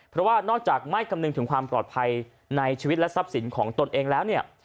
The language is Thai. เพราะว่านอกจากไม่คำนึงถึงความปลอดภัยในชีวิตและทรัพย์สินของตนเองแล้วเนี่ย